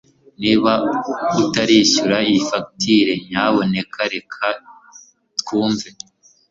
Niba utarishyura iyi fagitire, nyamuneka reka twumve